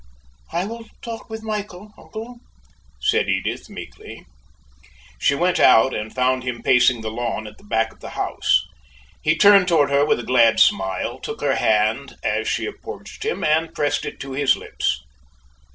"I will talk with Michael, uncle," said Edith, meekly. She went out, and found him pacing the lawn at the back of the house. He turned toward her with a glad smile, took her hand as she approached him, and pressed it to his lips.